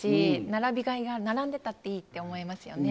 並びがいが、並んでたっていいと思いますよね。